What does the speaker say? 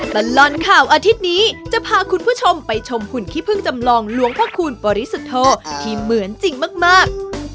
ตลอดข่าวอาทิตย์นี้จะพาคุณผู้ชมไปชมหุ่นขี้พึ่งจำลองหลวงพระคูณปริสุทธโธที่เหมือนจริงมาก